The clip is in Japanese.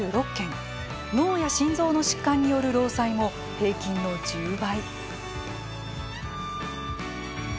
脳や心臓の疾患による労災も平均の１０倍。